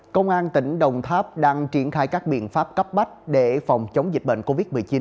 công an tỉnh đồng tháp đang triển khai các biện pháp cấp bách để phòng chống dịch bệnh covid một mươi chín